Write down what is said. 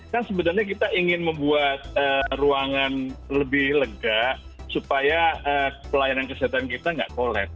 kan sebenarnya kita ingin membuat ruangan lebih lega supaya pelayanan kesehatan kita nggak kolap